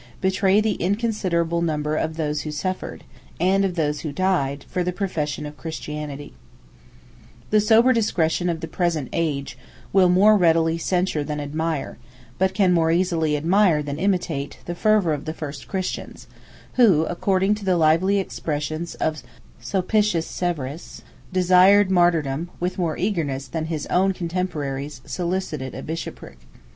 Were the epistles arranged in a different manner in the edition consulted by M. Guizot?—M.] The sober discretion of the present age will more readily censure than admire, but can more easily admire than imitate, the fervor of the first Christians, who, according to the lively expressions of Sulpicius Severus, desired martyrdom with more eagerness than his own contemporaries solicited a bishopric.